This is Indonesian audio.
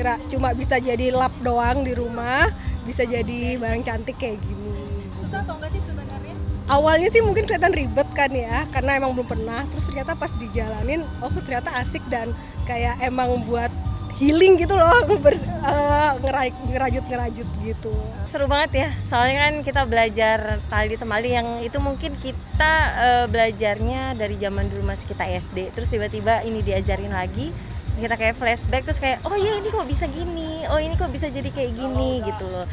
zaman dulu masih kita sd terus tiba tiba ini diajarin lagi terus kita kayak flashback terus kayak oh iya ini kok bisa gini oh ini kok bisa jadi kayak gini gitu loh